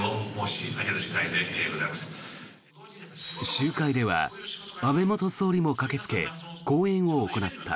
集会では安倍元総理も駆けつけ講演を行った。